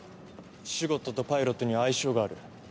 シュゴッドとパイロットには相性がある。